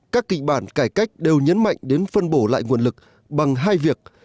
các kịch bản cải cách đều nhấn mạnh đến phân bổ lại nguồn lực bằng hai việc